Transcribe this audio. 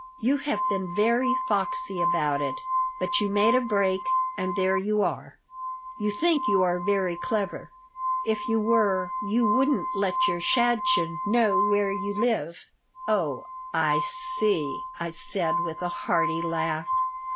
You have been very foxy about it, but you made a break, and there you are! You think you are very clever. If you were you wouldn't let your shadchen [note] know where you live " Oh, I see," I said, with a hearty laugh.